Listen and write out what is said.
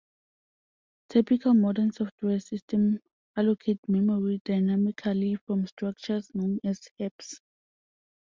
Typical modern software systems allocate memory dynamically from structures known as heaps.